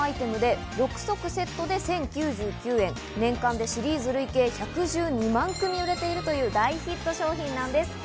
これは「臭わない」が売りのアイテムで、６足セットで１０９９円、年間でシリーズ累計１１２万組が売れているという大ヒット商品なんです。